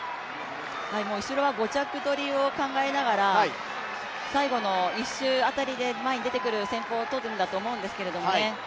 後ろは５着取りを考えながら、最後の１周辺りで前に出てくる戦法をとるんだと思うんですけどね。